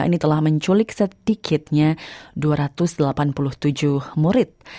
ini telah menculik sedikitnya dua ratus delapan puluh tujuh murid